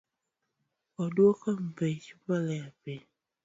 Oduok bech mbolea piny